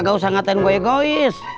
gak usah ngatain gue egois